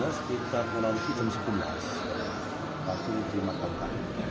jadi tinggalnya sekitar pukul sebelas waktu lima